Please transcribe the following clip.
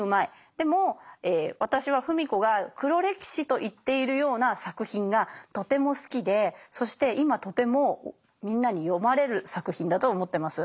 でも私は芙美子が「黒歴史」と言っているような作品がとても好きでそして今とてもみんなに読まれる作品だと思ってます。